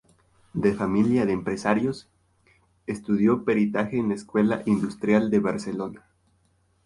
De familia de empresarios, estudió peritaje en la Escuela Industrial de Barcelona.